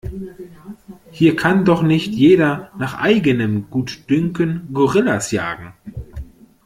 Hier kann doch nicht jeder nach eigenem Gutdünken Gorillas jagen!